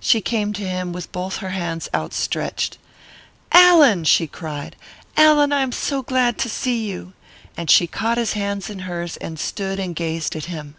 She came to him with both her hands outstretched. "Allan!" she cried, "Allan! I am so glad to see you!" And she caught his hands in hers and stood and gazed at him.